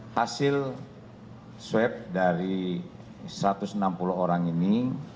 hasil swab dari satu ratus enam puluh orang ini